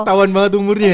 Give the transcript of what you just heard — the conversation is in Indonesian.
ketauan banget umurnya ya